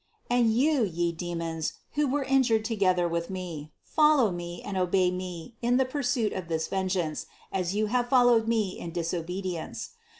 And you, ye demons, who were injured to gether with me, follow me and obey me in the pursuit of this vengeance, as you have followed me in disobe dience